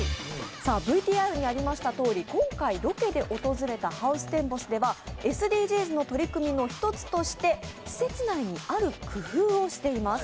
ＶＴＲにありましたとおり今回ロケで訪れましたハウステンボスではＳＤＧｓの取り組みの一つとして、施設内にある工夫をしています。